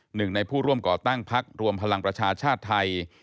หนึ่งในผู้ร่วมก่อตั้งพักรวมพลังประชาชาติไทย